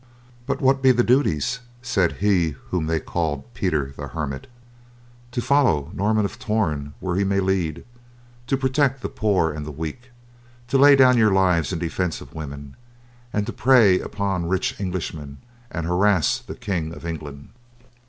"But what be the duties?" said he whom they called Peter the Hermit. "To follow Norman of Torn where he may lead, to protect the poor and the weak, to lay down your lives in defence of woman, and to prey upon rich Englishmen and harass the King of England."